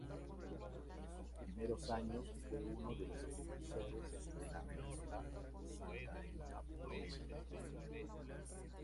En sus primeros años fue uno de los impulsores de la revista santanderina "Proel".